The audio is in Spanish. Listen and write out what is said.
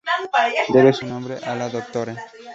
Debe su nombre a la Dra.